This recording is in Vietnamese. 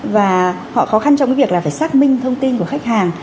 và họ khó khăn trong cái việc là phải xác minh thông tin của khách hàng